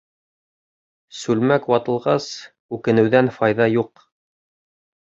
Сүлмәк ватылғас, үкенеүҙән файҙа юҡ.